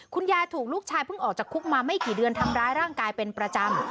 คุณยายถูกลูกชายเพิ่งออกจากคุกมาไม่กี่เดือนทำร้ายร่างกายเป็นประจำ